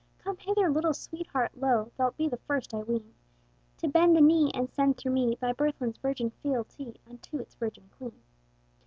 "Come hither, little sweetheart! Lo! Thou'lt be the first, I ween, To bend the knee, and send through me Thy birthland's virgin fealty Unto its Virgin Queen.